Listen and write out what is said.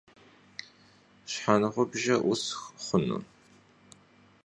Şheğubjjer 'usx xhunu?